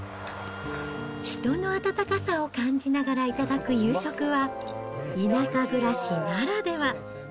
人の温かさを感じながら頂く夕食は、田舎暮らしならでは。